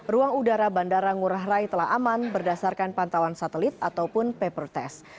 ruang udara bandara ngurah rai telah aman berdasarkan pantauan satelit ataupun paper test